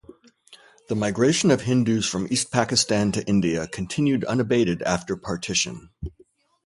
The migration of Hindus from East Pakistan to India continued unabated after partition.